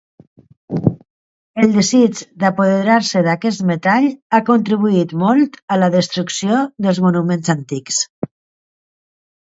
El desig d'apoderar-se d'aquest metall ha contribuït molt a la destrucció dels monuments antics.